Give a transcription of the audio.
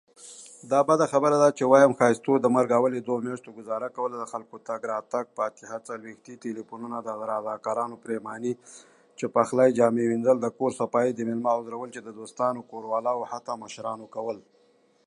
Saint Leonard's Parish Church is located in the village.